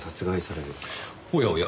おやおや